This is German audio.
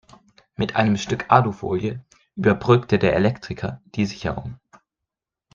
Mit einem Stück Alufolie überbrückte der Elektriker die Sicherung.